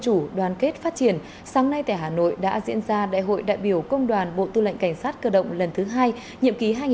tập đoàn gelesimco đã ký kết phát triển sáng nay tại hà nội đã diễn ra đại hội đại biểu công đoàn bộ tư lệnh cảnh sát cơ động lần thứ hai nhiệm ký hai nghìn hai mươi ba hai nghìn hai mươi tám